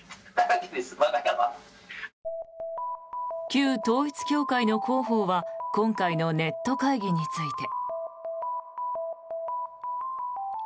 旧統一教会の広報は今回のネット会議について。